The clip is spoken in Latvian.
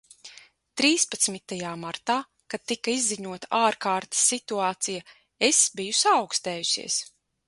Trīspadsmitajā martā, kad tika izziņota ārkārtas situācija, es biju saaukstējusies.